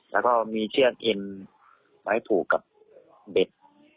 แล้วก็มีเชือกเอ็นไว้ผูกกับเบ็ด